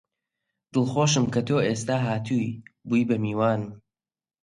دڵخۆشم کە تۆ ئێستا هاتووی بووی بە میوانم